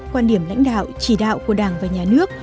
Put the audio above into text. quan điểm lãnh đạo chỉ đạo của đảng và nhà nước